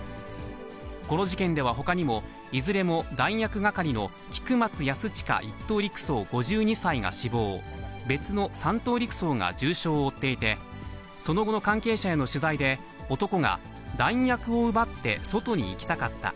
この事件では、ほかにも、いずれも弾薬係の菊松安親１等陸曹５２歳が死亡、別の３等陸曹が重傷を負っていて、その後の関係者への取材で、男が、弾薬を奪って外に行きたかった。